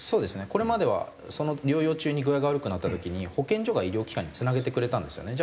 これまでは療養中に具合が悪くなった時に保健所が医療機関につなげてくれたんですよね。